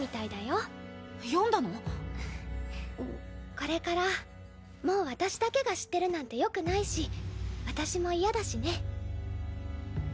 これからもう私だけが知ってるなんてよくないし私も嫌だしね。